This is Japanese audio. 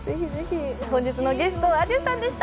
本日のゲストはａｄｉｅｕさんでした。